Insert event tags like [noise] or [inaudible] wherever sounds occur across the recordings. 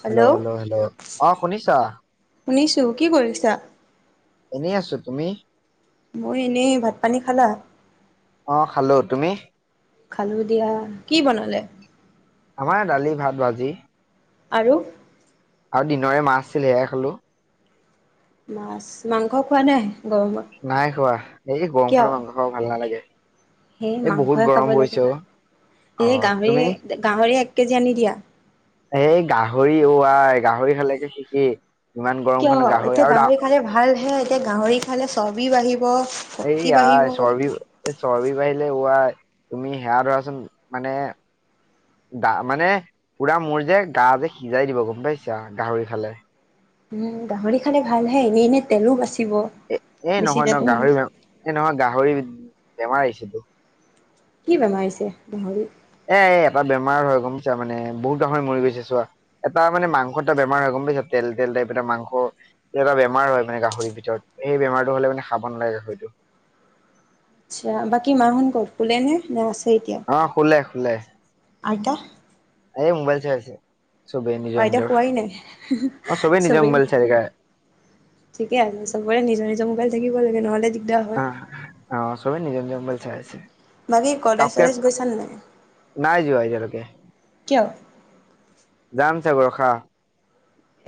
Hello hello! Hello! Hello! অ' শুনিছা? শুনিছোঁ কি কৰিছা? এনেই আছো তুমি? মই এনেই, ভাত পানী খালা? অ' খালো তুমি? খালো দিয়া কি বনালে? আমাৰ দালি, ভাত, ভাজি। আৰু? আৰু দিনৰে মাছ আছিলে সেয়াই খালো। মাছ, মাংস খোৱা নাই? গৰমত নাই খোৱা এই গৰম খনত মাংস খাব ভাল নালাগে। সেয়ে এই বহুত মাংসই গৰম খাব লাগে। পৰিছে অ অ এ, তুমি গাহৰি-গাহৰি এক কেজি আনি দিয়া। এই গাহৰি ওৱাই গাহৰি খালে। [unintelligible] গৰমখনত কিয় এতিয়া আৰু গাহৰি খালে ভালহে এতিয়া গাহৰি খালে চৰ্বি বাঢ়িব। শক্তি এইয়া বাঢ়িব। চৰ্বি-চৰ্বি বাহি এ, ৱাই তুমি সেয়া ধৰাচোন মানে দা মানে পুৰা মোৰ যে গা যে সিজাই দিব গম পাইছা গাহৰি খালে। উম, গাহৰি খালে ভালহে এনেই-এনেই তেলো বাচে। এ এ নহয় নহয় গাহৰিে এ নহয় গাহৰি বেমাৰ আহিছেতো। কি বেমাৰছে গাহৰি? এ এটা বেমাৰ হৈ গমছা মানে বহুত ডাঙৰ মৰি গৈছে চোৱা এটা মানে মাংস এটা বেমাৰ হৈ গম। গম পাইছ তেল তেল টাইপ এটা মাংস এটা বেমাৰ হয় মানে গাহৰিৰ ভিতৰত সেই বেমাৰটো হলে মানে খাব নালাগে। হয়টো। আচ্ছা বাকী মা হত কত শুলে‌ নে আছে? এতিয়া অ‌ শুলে শুলে। [unintelligible] এই মোবাইল চাই আছে। চবেই অ নিজৰ এতিয়া নিজৰ শুৱাই নাই অ নিজৰ চবেই। মোবাইল চাই থাকে ঠিকে আছে চবৰে নিজৰ-নিজৰ মোবাইল থাকিব লাগে নহলে দিগ অ', অ', চবেই নিজৰ- নিজৰ মোবাইল চাই আছে। বাকী কলেজ চলেজ [unintelligible] গৈছা নে নাই নাই যোৱা এতিয়ালৈকে। কিয় যাম [unintelligible] ৰখা।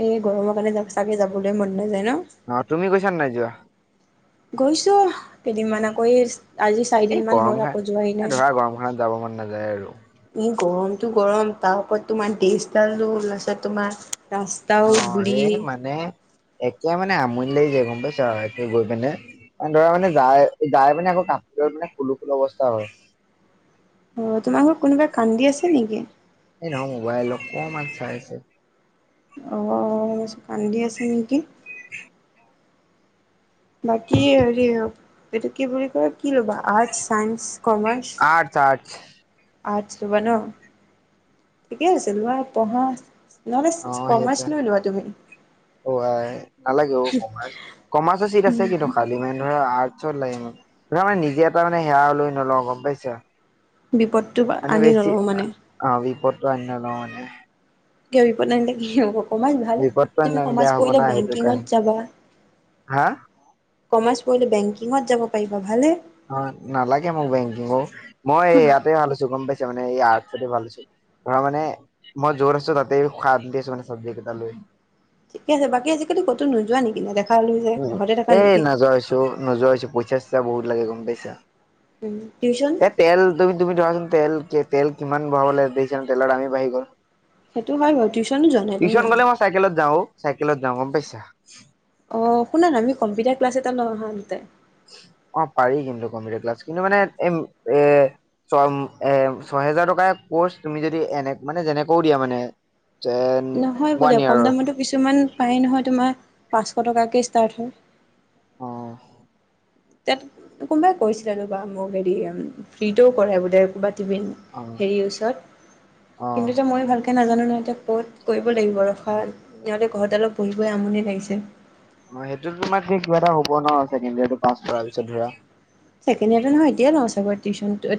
এই গৰমৰ কাৰনে [unintelligible] চাগে যাবলৈ মন। নাযায় ন অ, তুমি কৈছা নে নাই যোৱা? গৈছো কেইদিনমান আকৌ এ আজি এই চাৰিদিন মান গৰম হল খা আকৌ যোৱাই এ নাই ধৰা গৰম খনত যাব মন নাযায় আৰু ই গৰমটো গৰম তাৰ ওপৰত তোমাৰ দেচডাল টো ওলাইছে তোমাৰ ৰাস্তাও অ, ধূলি এই মানে একে মানে আমনি লাগি যায় গম পাইছ একে গৈ পিনে। ধৰা মানে যাই যাই মানে আকৌ কাপোৰ মানে খুলো খুলো অৱস্থা হয়। অ তোমাৰ ঘৰত কোনোবাই কান্দি আছে নেকি? এই নহয় মোবাইল অকমান চাইছে। আহ মই ভাবিছোঁ কান্দি আছে নেকি? বাকী হেৰি এইটো কি বুলি কয়? কি ল'বা arts science commerce? Arts arts arts লবা ন, ঠিকে আছিল ব পঢ়া নহলে অ', সেইটোৱে কমাৰ্চ লৈ লোৱা তুমি। অ আই নালাগে অ কমাৰ্চ, কমাৰ্চত চিট আছে কিন্তু খালি মানে ধৰা আৰ লাগে মোক, মানে নিজে এটা মানে সেয়া লৈ নলওঁ গম পাইছা? বিপদটো মানে আনি বেছি নলওঁ মানে বিপদটো আনি নলওঁ মানে। কিয় বিপদ আনিলে কি হব? কমাৰ্চ ভাল, বিপদটো তুমি আনি বেয়া কমাৰ্চ হ'ব পঢ়লে না সেইটো কাৰণে। বেংকিঙত যাবা। হা? কমাৰ্চ পঢ়িলে বেংকিঙত যাব পাৰিবা ভালহে। অ নালাগে মোক বেংকিং অ, মই ইয়াতে ভালৈছো গম পাইছ মানে এই অৰ্টচতে ভাল আছো, ধৰা মানে মই যত আছো তাতে শান্তি দি আছো মানে চাবজেক্ট এটা লৈ। ঠিকে আছে, বাকী আজিকালি কটো নোযোৱা নেকি নেদেখা হ'লো যে উ ঘৰতে থাকা এই নেকি নাযোৱা হৈছো নোযোৱা হৈছো পইচা চইচা বহুত লাগে গম পাইছা? টিউচন এ তেল দুমি দুমি ধৰাচোন তেল তেল কিমান বহাবলৈ দেছে তেলৰ দাম বাহি গল। সেইটো হয় বাৰু টিউচনো যোৱা নাই তুমি টিউচন গলে মই চাইকেলত যাও অ, চাইকেলত যাওঁ গম পাইছা? অ শুনা না আমি কম্পিউটাৰ ক্লাছ এটা লও আহা দুটাই। অ পাৰি কিন্তু কম্পিউটাৰ ক্লাছ কিন্তু মানে এ ছ এ ছয়হেজাৰ টকা কৰ্চ তুমি যদি এনে মানে যেনেকেও দিয়া মানে যেন নহয় ওৱান বোলে কম ইয়াৰৰ দামতো কিছুমান পায় নহয় তোমাৰ পাঁচশ টকাকে [unintelligible] অ'। তাত কোনোবাই কৈছিলে ৰবা মোক হেৰি উম, ফ্ৰীটো [unintelligible] [unintelligible] অ হেৰি ওচৰত, অ কিন্তু এতিয়া অ মই ভালকৈ নাজানো নহয় এতিয়া ক'ত কৈ [unintelligible] ৰখা, সিহঁতে ঘৰতে অলপ বহি বহি আমনি লাগিছে। অ', সেইটো তোমাৰ কিবা এটা হ'ব ন, ছেকেণ্ড ইয়েৰটো পাছ কৰাৰ পিছত ধৰা। ছেকেণ্ড ইয়াৰটো নহয়, এতিয়া লওঁ চাগ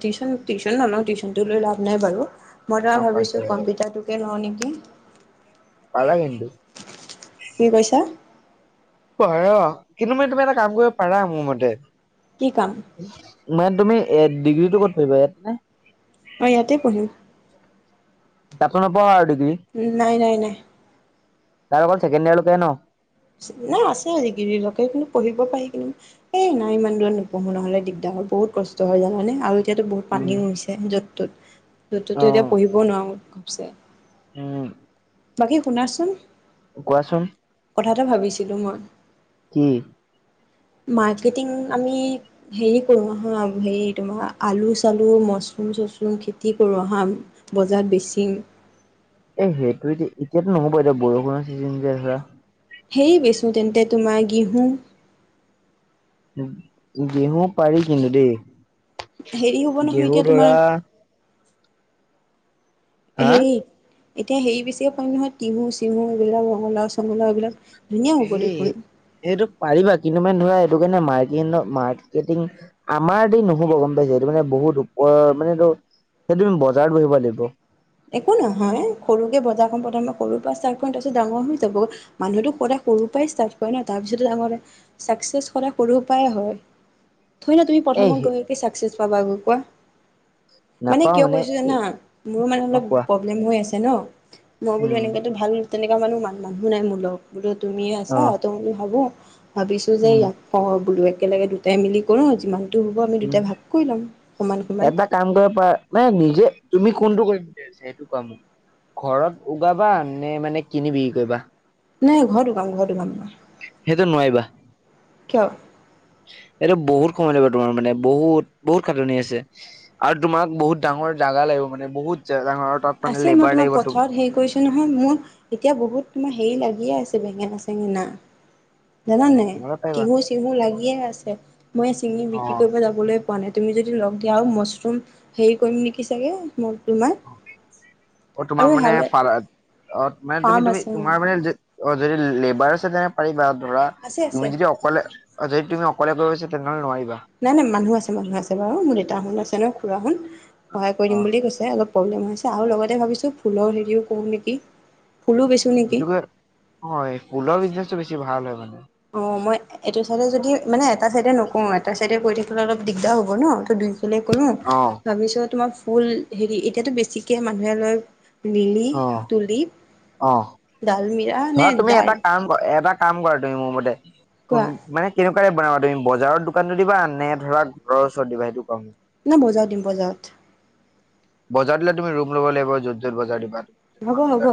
[unintelligible] টিউচন নলওঁ টিউচনটো লাভ নাই বাৰু। মই অ তোমাৰ ফাৰ্ষ্ট ভাবিছো ইয়েৰ কম্পিউটাৰটোকে লওঁ নেকি। পাৰা কিন্তু। কি কৈছা? পাৰা, কিন্তু মানে তুমি এটা কাম কৰিব পাৰা মোৰ মতে, কি কাম। মানে তুমি ডিগ্ৰীটো ক'ত পাৰিবা ইয়াত নে অ' ইয়াতে পঢ়িম। তাপ নপ আৰু ডিগ্ৰী উম, নাই, নাই, নাই। তাৰ অকল ছেকেণ্ড ইয়াৰ লকে ন? নাই আছে ডিগ্ৰীলৈকে কিন্তু পঢ়িব পাৰি কিন্তু এ নাই ইমান দূৰত নপঢ়ো নহলে দিগদাৰ বহুত কষ্ট হয় জানানে আৰু এতিয়াতো বহুত পানী উম হৈছে য'ত তত, য'ত ততো অ এতিয়া পঢ়িবও নোৱাৰো ঘপচে। উম বাকী শুনাচোন কোৱাচোন কথা এটা ভাবিছিলোঁ মই কি? [inaudible] মাৰ্কেটিং আমি হেৰি কৰো হা হেৰি তোমাৰ আলু চালু মছৰুম চ মচুৰম খেতি কৰো আহা বজাৰত বেচিম এই সেইটো এতিয়া এতিয়াতো নহ'ব, এতিয়া বৰষুণৰ ছিজন যে ধৰা হেইৰি বেচো তেন্তে তোমাৰ গেহু গেহু পাৰি কিন্তু দেই। হেৰি হ'ব নহয় গেহু এতিয়া তোমাৰ ধৰা হা হেৰি এতিয়া হেৰি বেছিকে পম নহয় তিহু চিহু এইবিলাক ৰঙলাও চঙালাও এইবিলাক ধুনীয়া হ'ব এ দেখোন এইটো পাৰিবা কিলোমান ধৰা সেইটো কাৰণে মাৰ্কেট মাৰ্কেটিং আমাৰ দি নহ'ব গ'ম পাইছে, এইটো মানে বহুত ওপ মানে এইটো সেই তুমি বজাৰত বহিব লাগিব। একো নহয় সৰুকে বজাৰখন প্ৰথম সৰুৰ পৰা ষ্টাৰ্ট তাৰ পিছত ডাঙৰ হৈ যাব মানুহতো স সৰুৰ পৰাই ষ্টাৰ্ট কৰে ন তাৰ পিছত ডাঙৰ হয়, চাকচেছ সদায় সৰু পৰাই হয়। থ ন তুমি প্ৰথমত এই গৈ ছাকচেছ পাবা গৈ আ কোৱা মানে নাপাও কিয় কৰিছো এ জানা মোৰো মানে অ অলপ কোৱা প্ৰব্লেম হৈ আছে ন। মই বোলো উম এনেকেতো ভাল তেনেককা মানু মানুহ নাই মোৰ লগ বোলো তুমি অ আছা তই বুলি ভাবো ভাবিছো যে উম ইয়াক পৰ বোলো একেলগে দুটাই মিলি কৰো আৰু যিমান সমান এটা কাম কৰিব পৰা মে নিজে তুমি কোনটো কৰিম বিচাৰিছে সেইটো কোৱা মোক। ঘৰত উগাবা নে মানে কিনি বিকি কৰিবা। নাই ঘৰট ওগাম ঘৰট ওগাম। সেইটো নোৱাৰিবা কিয় এটো বহুত সময় লাগিব, তোমাৰ মানে বহুত বহুত সাটনি আছে আৰু তোমাক বহুত ডাঙৰ জাগা লাগিব মানে বহুত জ আছে মই তোমাৰ পথাৰত হেৰি কৰিছো নহয় মোৰ এতিয়া বহুত তোমাৰ হেৰি লাগিয়ে আছে বেঙেনা চেঙেনা জানানে নোৱাৰা পাৰিবা কিহু চিহু লাগিয়ে আছে মই চিঙি অ বিক্ৰী কৰিব যাবলৈ পোৱা নাই তুমি যদি লগ দিয়া আৰু মছৰুম হেৰি কৰিম নেকি চাগে তোমাৰ অ' তোমাৰ আৰু মানে আৰু ফাদা অ' মানে তুমি ফাৰ্ম তুমি আছে মোৰ তোমাৰ মানে অ' যদি লেবাৰ আছে তেনে পাৰিবা ধৰা আছে আছে তুমি যদি অকলে অ' যদি তুমি অকলে কৰিব বিচাৰিছা তেনেহ'লে নোৱাৰিবা নাই নাই মানুহ আছে মানুহ আছে বাৰু মোৰ দেউতা শুন আছে ন খুৰা শুন সহায় কৰি দিম অ বুলিয় কৈছে, অলপ প্ৰব্লেম আ হৈছে আৰু লগতে ভাবিছোঁ ফুলৰ হেৰিও কও নেকি ফুলো বেচোঁ নেকি সেইটোকে অ ফুলৰ বিজনেচটো বেছি ভাল হয় মানে অঊ মই এইটো হেহতি যদি মানে এটা ছাইডে নকওঁ, এটা চাইডে কৰি থাকিলে অলপ দিগদাৰ হ'ব ন ত' দুই কৰো অ ভাবিছ তোমাৰ ফুল হেৰি এতিয়াতো বেছিকে মানুহে লৈ লিলি, অ তুলীপ অ' ধৰা তুমি এটা কাম এটা কাম কৰা তুমি মোৰ মতে, ক কোৱা মানে কে ে বনাব তুমি বজাৰৰ দোকানতটো দিবা নে ধৰা ঘৰৰ ওচৰত দা সেইটো কম নাই বজাৰত দিম বজাৰত বজাৰ দিল তুমি ৰুম লব লাগিব যত যোৰ বজাৰ দিবা। হ'ব হ'ব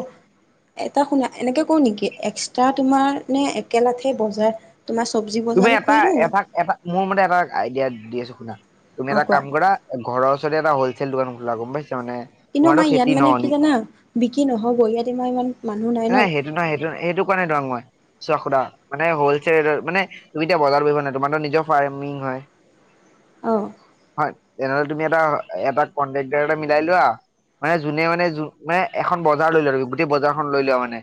এটা শুনা এনেকে ক নেকি এক্সট্ৰা তোমাৰ নে একেলাঠে বজাৰ তোমাৰ চব্জি তুমি বজাৰো এটা কৰি দিওঁ এটা এটা মোৰ মতে এটা আইডিয়া দি আছো শুনা তুমি অ এটা কোৱা কাম কৰা ঘৰ ওচৰৰত এ হলচেল দোকান খোলা গ'ম পাইছা মানে কিন্তু তোমাৰো আমাৰ ইয়াত খেতি মানে কি নহনি জানা বিক্ৰী নহ'ব ইয়াত ইমান ইমান মানুহ ন নাই সেইটো নহয় সেইটো ন সেইটো কোৱা নাই, মই চোৱা সুধা মানে হ'ল চেল মানে তুমি এতিয়া বজাৰ কৰিব ন তোমাৰতো নিজৰ ফাৰ্মিং হয় অ হয়, তেনেহলে তুমি এটা এটা কনটেক্াৰ এটা মিলাই লোৱা। মানে যোনে মানে য মানে এখন বজাৰ লৈ লোৱা আৰু গোটেই বজাৰখন লৈ লোৱা মানে।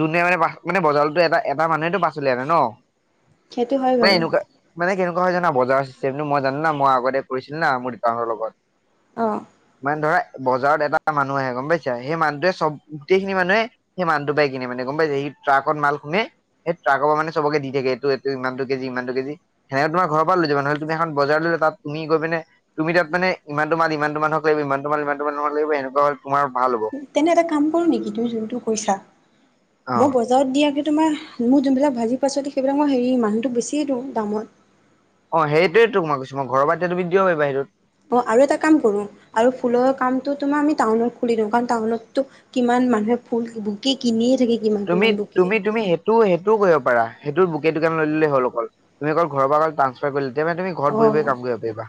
যোনে মানে মানে বজাৰতো এটা এটা মানুহেতটো পাচলি আনে ন। সেইটো হয় মানে বাৰু এনেুৱা মানে কে হয় জানা বজাৰ চিজনটো মই জানো না মই আগতে কৰিছিল ন মোৰাহতৰ লগত। অ মানে ধৰা বজাৰত এটা মানুহ আহে গম পাইছ সেই মানুহ হটোৱেই গোটেইখিনি মানুহে সেই মানহটো পাই কিনে মানে গম পাইছে সি ট্ৰাকত মাল শুনেে সেই ট্ৰাকৰ পৰা মানে চবকে দি থাকে এইটো ইমানটো কেজি ইমানটো কেজি সনেকে তোমাৰ ঘৰ পৰা লৈ যা নহলে তুমি এখন বজাৰ লৈ তুমি গৈ পে তুমি তাত মানে ইমানটো ম ইমান মানুহ লাগিব ইমান ম ইমান মানুহ লাগ এনেকুৱা হল তোমাৰ ভাল হ'ব তেনে এটা কাম কৰো নেকি তোৰ যোনটো কৈচা, অ মই বজত দি তোমাৰ মোৰ যোনবিলাক ভাজি পাছল সেইবিলাক মই হেৰি মানুহটো বেছিয়ে দিওঁ দামত। অ', সেইটোয়ে তোক মই কৈছো মই ঘৰ এতি তো বি দিবাৰি বাহিৰটোত অ', আৰু এটা কাম কৰো আৰু ফুলৰ কামো তোমাৰ আমি টাউনত খুলি দিওঁ কাৰণ টাউনতো কিমান মানুহে ফুল বুক কিনি তুমি তুমি তুমি সেইটোও ত কৰিব পাৰ সেইটো বুে দোকান লৈলে হ'ল অকল তুমি অকল ঘৰৰ পৰা ট্ৰ্ঞ্চফাৰ কৰি তেতিয়া মানে তুমি ঘৰত অ বহি বহি কাম কৰিব পাৰিবা,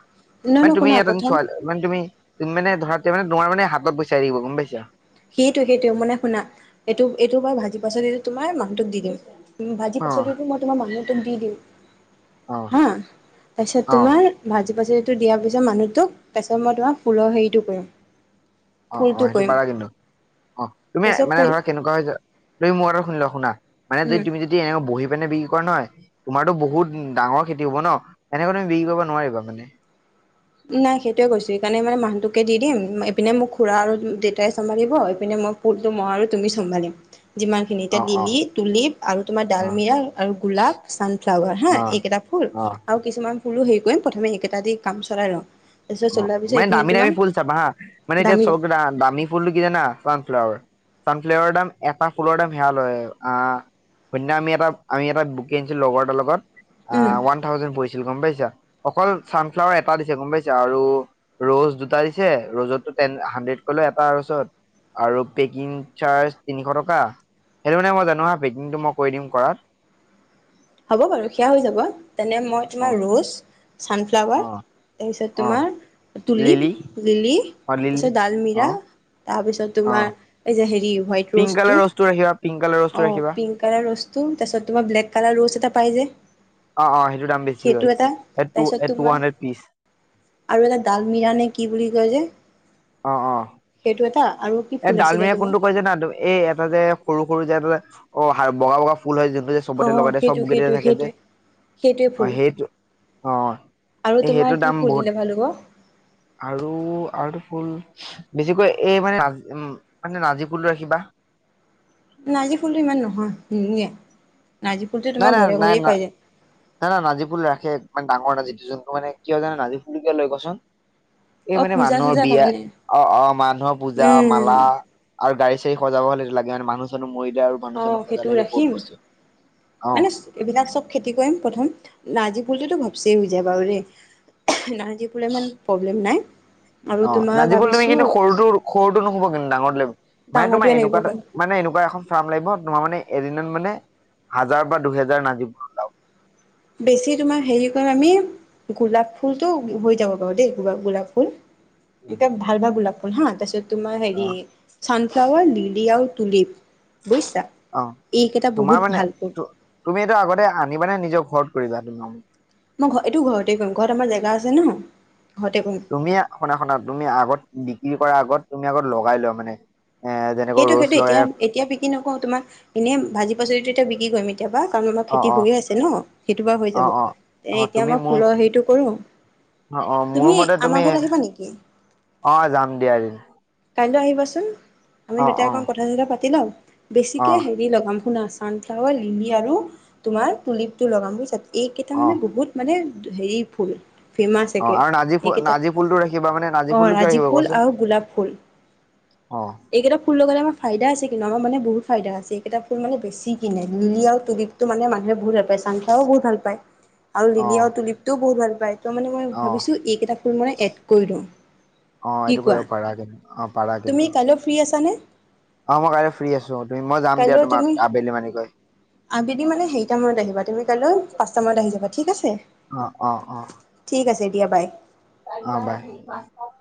নহয় মানে নহয় তুমি শুনা এজন প্ৰথম ছোৱালী মানে তুমি তুম মানে ধৰা তেতিয়া মানে নোৱাৰ মানে হাতত বচাই আহিব গম পাইছা? সেইটো সেইটো মানে শুনা, এইটো এইটো বাৰু ভাজি পাছত এইটো তোমাৰ মানুহটোক দি দিম। ভাজি অ পাচলিটো মই তোমাৰ মানুহটোক দি দিওঁ। অ হা, তছত অ তোমাৰ ভাজি পাজি দিয় পিছত মানুহটোক পেছত মই তোমাই সুল হেৰিটো কৰিম অ' ফুলটো অ'সেইটো কৰিম পাৰা, কিন্তু অ তুমি তাৰপিছত মানে ফুল ধৰা কেনেকুৱা হৈ যোৱা তুমি মোৰ এ শুনিলা শুনা মানে যদি উম তুমি যদি এনেক বহি নে বিক্ৰী কৰা নহয় তোমাৰতো বহুত ডাঙৰ খেতি হব ন এনেকৈ তুমি বিক্ৰী কৰিব নোৱাৰিবা মানে। নাই সেইটোয়ে কৈছো সেইকাৰণে মানে মানুহটোকে দি দিম, এইপিনে মোক খুৰা আৰু দেউতাই চমাৰিব এইপিনে ই পুলটো ম আৰু তুমি চম্ভালিম। যিমান খিনি অ এতিয়া অ দিলি তুলিিপ আৰু তোমাৰ অ ডালমিৰা আৰু গোলাপ চানফ্লাৱাৰ হা অ এইকেইটা ফুল। ফুল অ আৰু কিছুমান ফুলো হেৰি কৰিম প্ৰথমে এইকেইটা দি কাম চলাই লওঁ। তাৰপিছত অ' চলোৱাৰ পিছত মানে এইখিনি দামী তোমাৰ দামী ফুল চাবা হা মানে এতিয়া দামী চব দামী ফুলটো কি জানা চানফ্লাৱাৰ। চানফ্লাৱাৰৰ দাম এটা ফুলৰ দাম সেয়া ল হয় আহ সন্য আমি এটা আমি এটা বুকে আনিছিলো লগৰ এটাৰ লগত। উম অ' উৱান থাউজেণ্ড পৰিছিল গম পাইছা? অকল ছানফ্লাৱাৰ এটা দিছে গম পাইছা? আৰু ৰ'জ দুটা দিছে ৰ'জতটো টেন হাড্ৰেড কলে এটা আৰু চত আৰু পেকিং চাৰ্জ তিনিশ টকা। সেইটো মানে মই জানোহা পেকিংটো মই কৰি দিম কৰাত। হ'ব বাৰু সেয়া হৈ যাব তেনে মই তোমাৰ অ', ৰোজ ছানফ্লাৱাৰ অ', তাৰপিছত অ', তোমাৰ টুলিপ, লিলি লিলি অ', লিলি তাৰপিছত ডালমিৰা অ', তাৰ পিছত তোমাৰ অ', এই যে হে ই হোৱাইট পিংক ৰজটো কালাৰ ৰাখিবা পিংক কালাৰ ৰ'জটো অ, ৰাখিবা। পিংক কালাৰ ৰজটো তাৰপিছত তোমাৰ ব্লেক কালাৰ ৰজ এই যে অ', অ', সেইটো দাম বেছি সেইটো হয় এটা এ টু তাৰপিছত -টু তোমাৰ হান্দ্ৰেড পিচ আৰু [unintelligible] ডালমিৰানে কি বুলি কয় যে সেইটো এটা আৰু কি এ ফুল আছিলে ডালমিৰা তোমাৰ কোনটো কৈ জানা এই এটা যে সৰু-সৰু যে এটা যে অ, হাৰ বগা-বগা পুল হয় যি যে অ চবতে লগাই দ সেইটো চব গোগেটৰে সেইটো থাকে যে। সেইটোৱে সেইটোৱে অ' ফুল সেইটো, অ' আৰু এ তোমাৰ সেইটো কি দাম ফুল দিলে বহুত ভাল হ'ব আৰু আৰু ফুল বেছিকৈ এই মানে উম মানে নাজিকুল ৰাখিবা। নাৰ্জি ফুলতটো ইমান নহয়, নাৰ্জি ফুলটো নাই তোমাৰ নাই ঘৰে ঘৰে পাই যায়। নাই না নাজি ফুল ৰাখে ইমান ডাঙৰ নাজিটো যোনটো মানে কিয় জানে নাজজি ফুল কিয় লৈ কচোন। এই অ মানে পূজা মানুহৰ চূজা বিয়া কাৰণে অ' অ' মানুহৰ পূজা উম। মালা আৰু গাড়ী চ সজাব হলে লাগে মানুহো ম অ' সেইটো ৰাখিম অ মানে এইবিলাক চব খেতি কৰিম। প্ৰথম নাৰ্জি ফুলটোতো ভাবছিয়ে হৈ যায় বাৰু দেই ন জি ফুল ইমান প্ৰব্লেম নাই। আৰু অ', তোমাৰ নাজিফুল তুমি ভাবিছো কিন্তু সৰুটো, সৰুটো নোহোব কিন্তু ডাঙৰটো লাগিব। মানে তোমাৰ ডাঙৰটোৱে লাগিব এনেকুৱা গ'ল মানে, এনেকুৱা এখন ফ্ৰাম লাগিব তোমাৰ মানে এদিনত মানে হাজাৰ বা দুহেজাৰ নাজি [unintelligible] ওলাব বেছি তোমাৰ হেৰি কৰিম আমি গোলাপ ফুলটো হোই যাব বাৰু দেই, গো-গোলাপ ফুল। এটা ভাল, ভাল গোলাপ ফুল হা, তাৰপিছত তোমাৰ অ হেৰি ছানফ্লাৱাৰ, লিলি আৰু তুলিপ বুজিছা অ', এইকেইটা বহুত তোমাৰ মানে ভাল ফুল তু-তুমি এইটো আগতে আনিবানে নিজৰ ঘৰত কৰিবা [unintelligible] মই ঘ-এইটো ঘৰতে কৰিম, ঘৰত আমাৰ জেগা আছে ন'। ঘৰতে কৰিম তুমি শুনা, শুনা তুমি আগত, বিক্ৰী কৰাৰ আগত, তুমি আগত, লগাই লোৱা মানে। এ যেনেকৈ সেইটো, ৰ'জ সেইটো লগাই এতিয়া, এতিয়া বিকি নকৰোঁ তোমাৰ এনেই ভাজি পাচলিটো এতিয়া বিকি কৰিম। কেতিয়াবা কাৰণ আমাৰ অ খেতি অ হৈয়ে আছে ন' সেইটো বাৰু হৈ অ যাব। অ তে, অ এতিয়া তুমি মই মোৰ ফুলৰ হেৰিটো কৰোঁ। অ', অ', মোৰ মতে আমাৰ তুমি, ঘৰত আহিবা নেকি অ', যাম দিয়া এদিন। কাইলৈ আহিবাচোন, আমি অ দুটাই অ অকণ কথা, চথা পাতি লওঁ, অ বেছিকে হেৰি লগাম। শুনা ছানফ্লাৱাৰ, লিলি আৰু তোমাৰ টুলিপটো লগাম বুইছা, এইকেইটা অ মানে বহুত মানে হেৰি ফুল ফেমাচ অ একে, আৰু নাৰ্জী ফুল এইকেইটাত নাৰ্জী ফুলটো ৰাখিবা মানে নাৰ্জী অ', ফুলটো কিয় নাজি ৰাখিবা ফুল কোৱাচোন আৰু গোলাপ ফুল। অ এইকেইটা ফুল লগালে আমাৰ ফাইদা আছে কিন্তু, আমাৰ মানে বহুত ফাইদা আছে এইকেইটা ফুল মানে বেছি কিনে, লিলি আৰু টুলিপটো মানে মানুহে বহুত [unintelligible] চানফ্লাৱাৰো বহুত ভাল পায়, আৰু অ লিলি আৰু টুলিপটোও বহুত ভাল পায় ত' মানে মই অ ভাবিছোঁ, এইকেইটা ফুল মান এড কৰি দিওঁ, অ কি এইটো কোৱা? কৰিব পাৰা কিন্তু অ পাৰা তুমি কিন্তু কাইলৈ ফ্ৰী আছানে? অ মই কাইলৈ ফ্ৰী আছো। তুমি মই যাম দিয়া কাইলৈ তোমাক তুমি আবেলি মানে গৈ। আবেলি মানে সেইটা মানত আহিবা, তুমি কাইলৈ পাঁচটা মানত আহি যাবা। ঠিক আছে? অ, অ, অ। ঠিক আছে দিয়া বাই। অ বাই [unintelligible]